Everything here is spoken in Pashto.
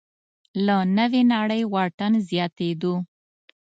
له نوې نړۍ واټن زیاتېدو